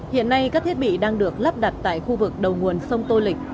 hiện nay các thiết bị đang được lắp đặt tại khu vực đầu nguồn sông tô lịch